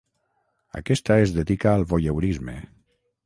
Aquesta es dedica al voyeurisme.